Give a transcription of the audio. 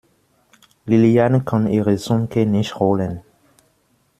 Liliane kann ihre Zunge nicht rollen.